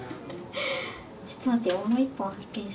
ちょっと待ってよ